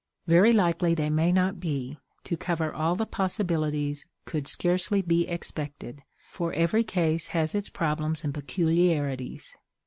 Very likely they may not be; to cover all the possibilities could scarcely be expected, for every case has its problems and peculiarities.